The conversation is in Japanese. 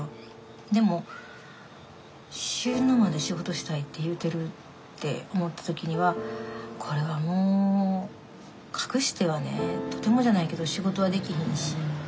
でも「死ぬまで仕事したい」って言うてるって思った時にはこれはもう隠してはねとてもじゃないけど仕事はできひんし。